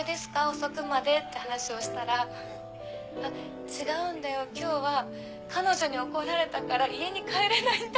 遅くまで」って話をしたら「違うんだよ今日は彼女に怒られたから家に帰れないんだ」